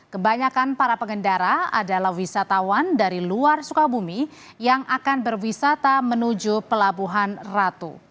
kebanyakan para pengendara adalah wisatawan dari luar sukabumi yang akan berwisata menuju pelabuhan ratu